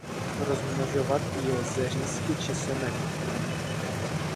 Rozmnožovat ji lze řízky či semeny.